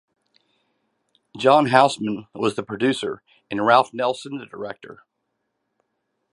John Houseman was the producer and Ralph Nelson the director.